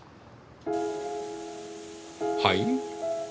はい？